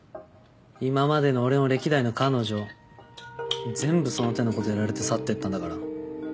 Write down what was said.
今までの俺の歴代の彼女全部その手のことやられて去ってったんだから。